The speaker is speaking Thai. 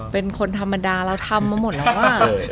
เป็นคนธรรมดาเราทำมาหมดแล้วอ่ะ